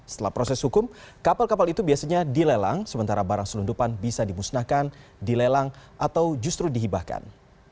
setelah proses hukum kapal kapal itu biasanya dilelang sementara barang selundupan bisa dimusnahkan dilelang atau justru dihibahkan